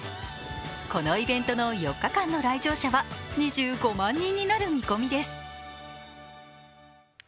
このイベントの４日間の来場者数は２５万人になる見込みです。